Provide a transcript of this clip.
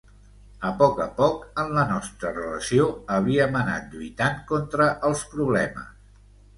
A poc a poc, en la nostra relació, havíem anat lluitant contra els problemes.